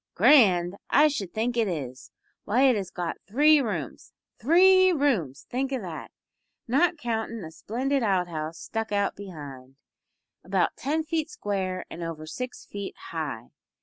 "Grand! I should think it is. Why, it has got three rooms three rooms think o' that! Not countin' a splendid out house stuck on behind, about ten feet square and over six feet high.